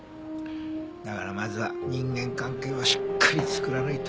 だからまずは人間関係をしっかり作らないと。